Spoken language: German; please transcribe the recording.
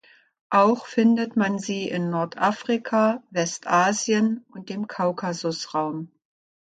Auch findet man sie in Nordafrika, Westasien und dem Kaukasusraum.